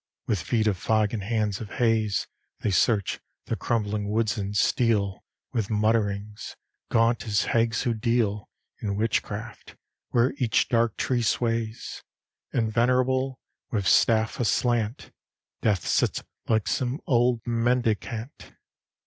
With feet of fog and hands of haze They search the crumbling woods and steal With mutterings, gaunt as hags who deal In witchcraft, where each dark tree sways, And, venerable, with staff aslant, Death sits like some old mendicant.